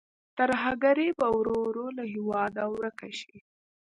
ترهګري به ورو ورو له هېواده ورکه شي.